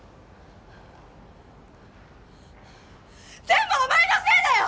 全部お前のせいだよ！